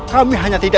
kami hanya tidak ingin